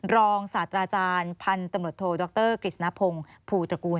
รองศาสตราจารย์พันธุ์ตำรวจโทดรกฤษณพงศ์ภูตระกูล